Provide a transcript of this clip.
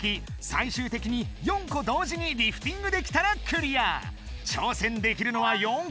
最終的に４個同時にリフティングできたらクリア！